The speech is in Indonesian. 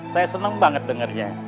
saya seneng banget dengernya